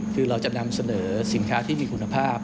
คือเราจะนำเสนอสินค้าที่มีคุณภาพ